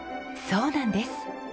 そうなんです。